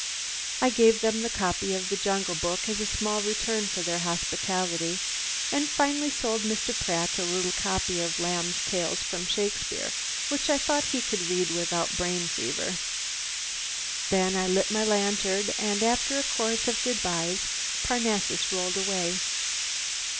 I gave them the copy of the "Jungle Book" as a small return for their hospitality, and finally sold Mr. Pratt a little copy of "Lamb's Tales from Shakespeare" which I thought he could read without brain fever. Then I lit my lantern and after a chorus of good byes Parnassus rolled away.